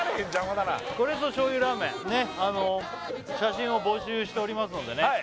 これぞ醤油ラーメンねっ写真を募集しておりますのでね